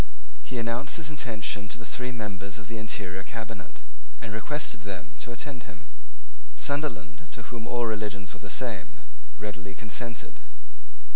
He announced his intention to the three members of the interior cabinet, and requested them to attend him. Sunderland, to whom all religions were the same, readily consented.